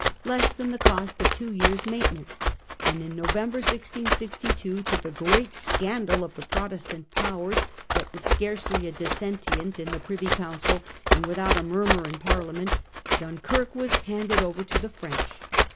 less than the cost of two years' main tenance \ and in November 1662, to the great scandal of the Protestant powers, but with scarcely a dissentient in the Privy Council, and without a munnur in Parliament, Dunkirk was handed over to the French.